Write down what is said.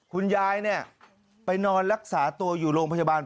คุณยายไปนอนรักษาตัวอยู่โรงพยาบาล